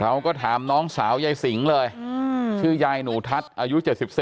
เราก็ถามน้องสาวยายสิงเลยชื่อยายหนูทัศน์อายุ๗๔